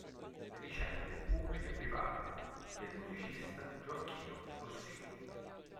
Le vicende pubbliche e private del musicista Gioachino Rossini.